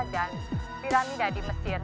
dan piramida di mesir